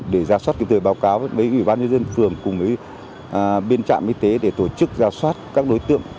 để giả soát từ thời báo cáo với ủy ban nhân dân phường cùng với biên trạm y tế để tổ chức giả soát các đối tượng